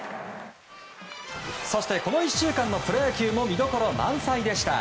そして、この１週間のプロ野球も見どころ満載でした。